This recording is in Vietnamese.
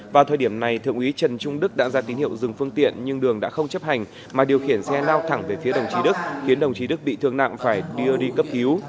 vào thời điểm này thượng úy trần trung đức đã ra tín hiệu dừng phương tiện nhưng đường đã không chấp hành mà điều khiển xe lao thẳng về phía đồng chí đức khiến đồng chí đức bị thương nặng phải đưa đi cấp cứu